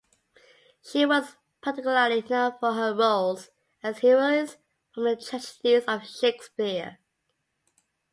She was particularly known for her roles as heroines from the tragedies of Shakespeare.